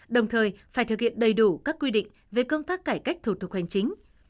đồng thời phải thực hiện đầy đủ các quy định về công tác cải cách thủ tục hành chính